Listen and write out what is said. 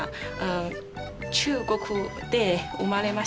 中国で生まれました。